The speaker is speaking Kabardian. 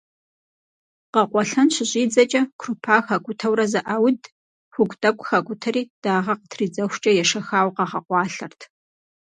Къэкъуэлъэн щыщӏидзэкӏэ крупа хакӏутэурэ зэӏауд, хугу тӏэкӏу хакӏутэри дагъэ къытридзэхукӏэ ешэхауэ къагъэкъуалъэрт.